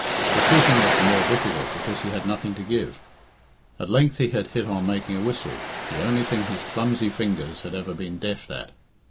Decision was the more difficult because he had nothing to give. At length he had hit on making a whistle the only thing his clumsy fingers had ever been deft at.